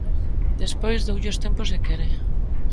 Despois doulle os tempos se quere.